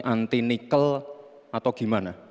anti nikel atau gimana